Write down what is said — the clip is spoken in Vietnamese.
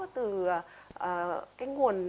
từ cái nguồn